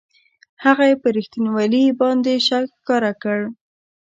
هغه یې پر رښتینوالي باندې شک ښکاره کړ.